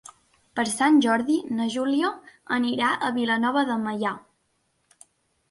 Per Sant Jordi na Júlia anirà a Vilanova de Meià.